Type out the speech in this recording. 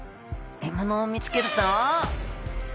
獲物を見つけると。